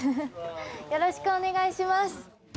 よろしくお願いします。